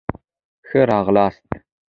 ښه را غلاست